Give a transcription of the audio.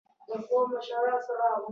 دا کار ناشونی ښکاري.